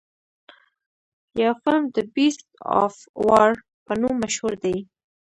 يو فلم The Beast of War په نوم مشهور دے.